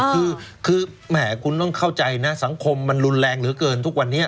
คือแหมคุณต้องเข้าใจนะสังคมมันรุนแรงเหลือเกินทุกวันนี้